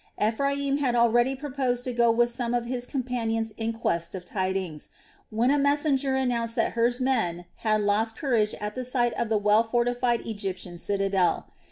Ephraim had already proposed to go with some of his companions in quest of tidings, when a messenger announced that Hur's men had lost courage at the sight of the well fortified Egyptian citadel.